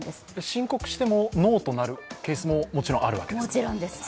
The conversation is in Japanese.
申告してもノーとなるケースももちろんあるわけですか。